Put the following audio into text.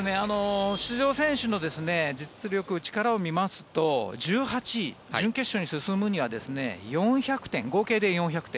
出場選手の実力力を見ますと１８位、準決勝に進むには合計で４００点。